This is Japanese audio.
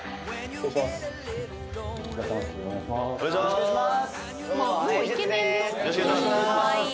よろしくお願いします。